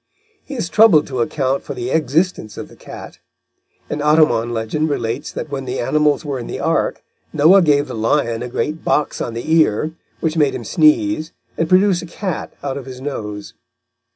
He is troubled to account for the existence of the cat. An Ottoman legend relates that when the animals were in the Ark, Noah gave the lion a great box on the ear, which made him sneeze, and produce a cat out his nose.